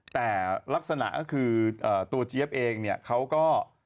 แต่ลักษณะก็คือตัวเจี๊ยบเองเนี่ยเขาก็